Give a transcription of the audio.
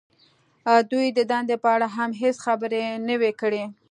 دوی د دندې په اړه هم هېڅ خبرې نه وې کړې